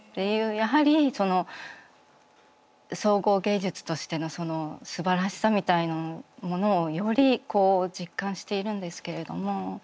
やはり総合芸術としてのすばらしさみたいなものをより実感しているんですけれども。